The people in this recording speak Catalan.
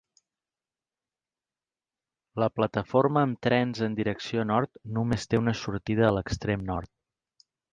La plataforma amb trens en direcció nord només té una sortida a l'extrem nord.